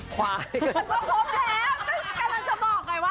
ควายเกินขึ้นสิต้องมีใครนี่